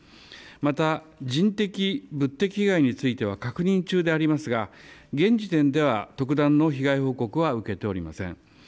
また人的、物的被害については確認中でありますが、現時点では特段の被害報告は受けておりません。